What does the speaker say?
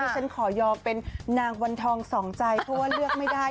ฉันขอยอมเป็นนางวันทองสองใจเพราะว่าเลือกไม่ได้